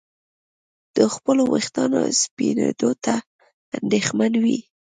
د خپلو ویښتانو سپینېدو ته اندېښمن وي.